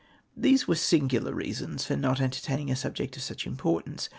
These were sinoTilar reasons for not entertainino a subject of such importance.